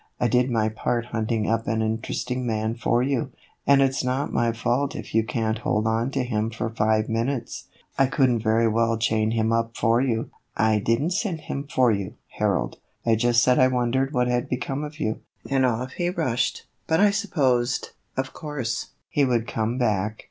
I did my part hunting up an interesting man for you, and it 's not my fault if you can't hold on to him for five minutes. I could n't very well chain him up for you." " I did n't send him for you, Harold. I just said I wondered what had become of you, and off he rushed ; but I supposed, of course, he would come back."